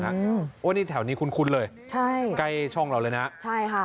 โอ้โหนี่แถวนี้คุ้นเลยใช่ใกล้ช่องเราเลยนะใช่ค่ะ